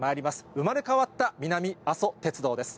生まれ変わった南阿蘇鉄道です。